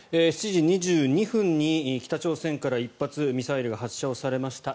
７時２２分に北朝鮮から１発ミサイルが発射されました。